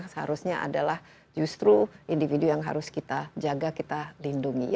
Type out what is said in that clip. karena anak anak seharusnya adalah justru individu yang harus kita jaga kita lindungi